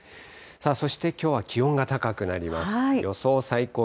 そしてきょうは気温が高くなります。